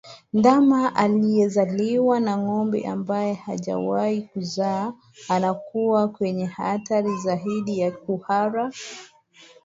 Ndama aliezaliwa na ngombe ambaye hajawahi kuzaa anakuwa kwenye hatari zaidi ya kuhara